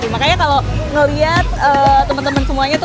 makanya kalau ngeliat temen temen semuanya tuh